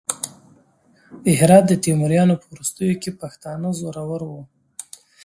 د هرات د تیموریانو په وروستیو کې پښتانه زورور وو.